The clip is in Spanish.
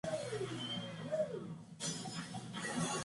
A mitad del mismo año se va del equipo.